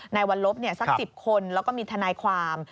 วันลบสัก๑๐คนแล้วก็มีทนายความ